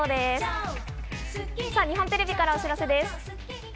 日本テレビからお知らせです。